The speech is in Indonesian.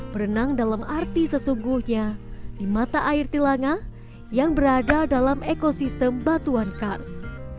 berenang dalam arti sesungguhnya di mata air tilanga yang berada dalam ekosistem batuan kars